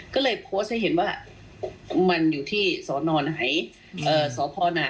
ก็เลยโพสไว้เห็นว่ามันอยู่ที่ศนไหนศพไหนศพแปลกเกรดนะ